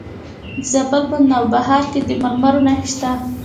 د زابل په نوبهار کې د مرمرو نښې شته.